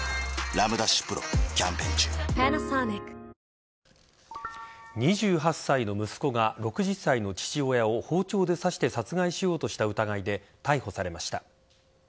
丕劭蓮キャンペーン中２８歳の息子が６０歳の父親を包丁で刺して殺害しようとした疑いで逮捕されました。